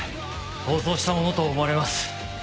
逃走したものと思われます。